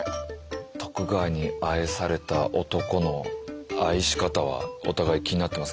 「徳川に愛された男」の愛し方はお互い気になってますからね。